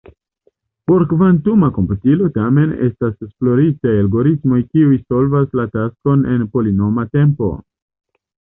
Por kvantuma komputilo, tamen, estas esploritaj algoritmoj kiuj solvas la taskon en polinoma tempo.